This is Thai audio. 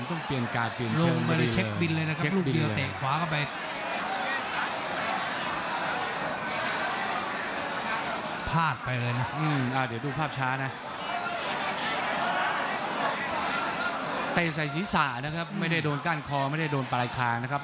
ใส่ศีรษะนะครับไม่ได้โดนก้านคอไม่ได้โดนปลายคางนะครับ